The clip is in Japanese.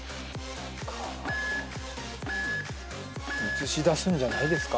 映し出すんじゃないですか？